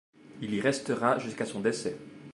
Il y restera jusqu’à son décès.